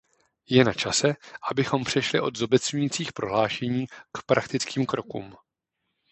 Je načase, abychom přešli od zobecňujících prohlášení k praktickým krokům.